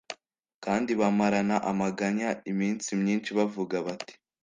kandi bamarana amaganya iminsi myinshi bavuga, bati